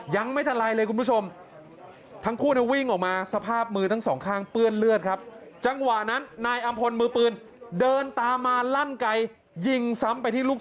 ยังไม่ทันไรเลยคุณผู้ชม